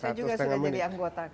saya juga sudah jadi anggota